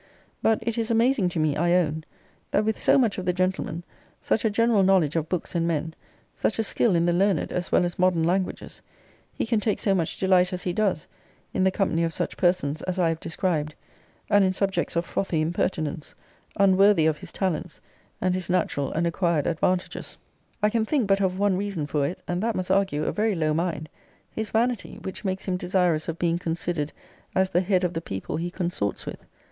But it is amazing to me, I own, that with so much of the gentleman, such a general knowledge of books and men, such a skill in the learned as well as modern languages, he can take so much delight as he does in the company of such persons as I have described, and in subjects of frothy impertinence, unworthy of his talents, and his natural and acquired advantages. I can think but of one reason for it, and that must argue a very low mind, his vanity; which makes him desirous of being considered as the head of the people he consorts with.